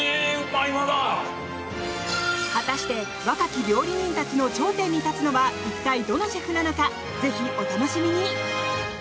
果たして若き料理人たちの頂点に立つのは一体どのシェフなのかぜひお楽しみに。